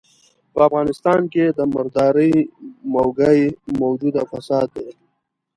په افغانستان کې د مردارۍ موږی موجوده فساد دی.